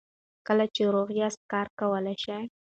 کله چې روغ یاست کار کولی شئ.